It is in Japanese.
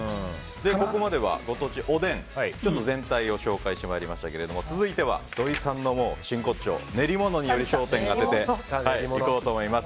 ここまでは、ご当地おでん全体を紹介してまいりましたが続いては、土井さんの真骨頂練り物に焦点を当てていきます。